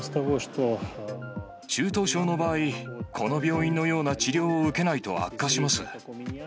中等症の場合、この病院のような治療を受けないと悪化します。